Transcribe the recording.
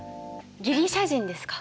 ギリシア人ですか？